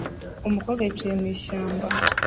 Umukobwa yicaye mu ishyamba